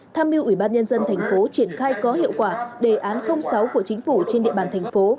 tham mưu ủy ban nhân dân thành phố triển khai có hiệu quả đề án sáu của chính phủ trên địa bàn thành phố